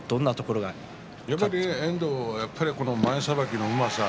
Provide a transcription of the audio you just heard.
遠藤は前さばきのうまさ